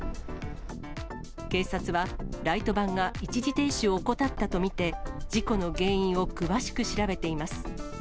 警察は、ライトバンが一時停止を怠ったと見て、事故の原因を詳しく調べています。